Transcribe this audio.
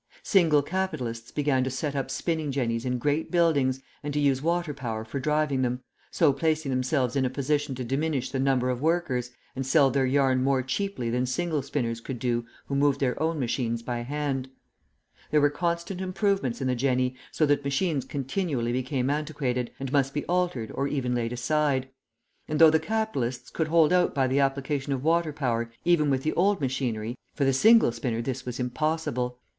Single capitalists began to set up spinning jennies in great buildings and to use water power for driving them, so placing themselves in a position to diminish the number of workers, and sell their yarn more cheaply than single spinners could do who moved their own machines by hand. There were constant improvements in the jenny, so that machines continually became antiquated, and must be altered or even laid aside; and though the capitalists could hold out by the application of water power even with the old machinery, for the single spinner this was impossible.